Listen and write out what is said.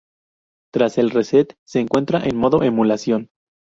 Tras el reset se encuentra en modo emulación.